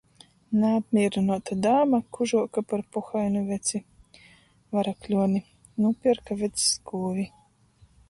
Naapmīrynuota dāma kužuoka par pohainu veci... Varakļuoni. Nūpierka vecs gūvi.